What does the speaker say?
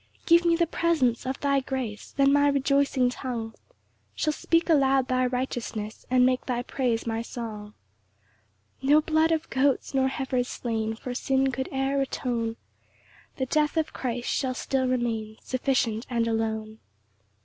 2 Give me the presence of thy grace, Then my rejoicing tongue Shall speak aloud thy righteousness, And make thy praise my song. 3 No blood of goats, nor heifers slain, For sin could e'er atone; The death of Christ shall still remain Sufficient and alone.